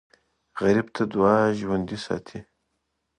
غریب ته دعا ژوندي ساتي